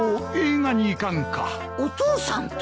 お父さんと？